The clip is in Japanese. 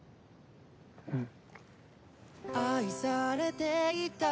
うん。